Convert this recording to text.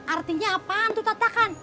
artinya apaan tuh tatta kan